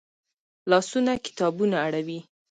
لاسونه کتابونه اړوي